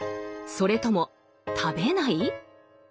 それとも食べない？